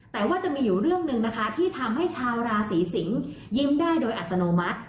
แต่ว่าจะมีอยู่เรื่องหนึ่งนะคะที่ทำให้ชาวราศีสิงยิ้มได้โดยอัตโนมัติ